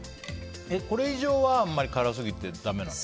これ以上は辛すぎてだめなの？